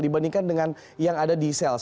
dibandingkan dengan yang ada di sales